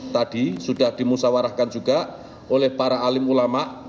tadi sudah dimusawarahkan juga oleh para alim ulama